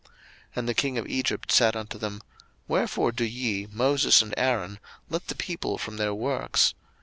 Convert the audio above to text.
02:005:004 And the king of Egypt said unto them, Wherefore do ye, Moses and Aaron, let the people from their works?